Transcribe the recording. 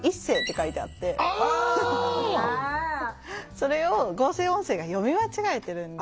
それを合成音声が読み間違えてるんです。